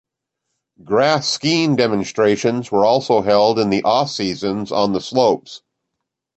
Grass skiing demonstrations were also held in the off seasons on the slopes.